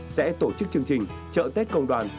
sẽ tổ chức chương trình chợ tết công đoàn